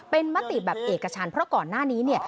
เป็นมติแบบเอกชาญเพราะก่อนหน้านี้